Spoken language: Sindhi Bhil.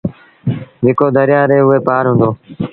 جيڪو دريآ ري هوئي پآر هُݩدو۔